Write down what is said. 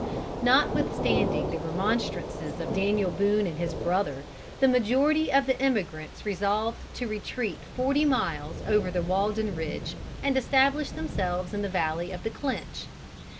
Notwithstanding the remonstrances of Daniel Boone and his brother, the majority of the emigrants resolved to retreat forty miles over the Walden Ridge, and establish themselves in the valley of the Clinch.